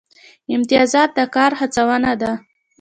امتیازات د کار هڅونه ده